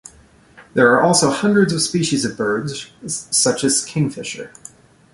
There are also hundreds of species of birds such as Kingfisher.